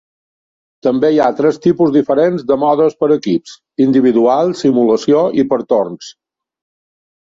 També hi ha tres tipus diferents de modes per equips: individual, simulació i per torns.